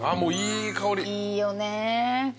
いいよね。